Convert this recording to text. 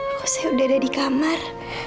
kok saya udah ada di kamar